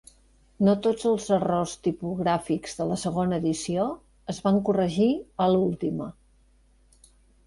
No tots els errors tipogràfics de la segona edició es van corregir a l'última.